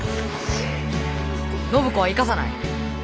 暢子は行かさない。